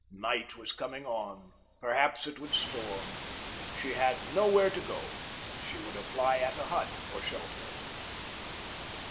Night was coming on. Perhaps it would storm. She had nowhere to go. She would apply at a hut for shelter.